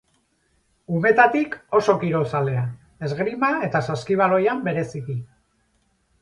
Umetatik oso kirol zalea, esgrima eta saskibaloian bereziki.